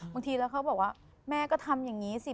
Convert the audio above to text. บางทีแล้วเขาบอกว่าแม่ก็ทำอย่างนี้สิ